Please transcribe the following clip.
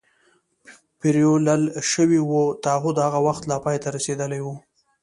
پرېولل شوي و، تعهد هغه وخت لا پای ته رسېدلی و.